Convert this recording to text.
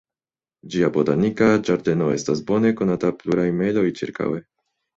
Ĝia botanika ĝardeno estas bone konata pluraj mejloj ĉirkaŭe.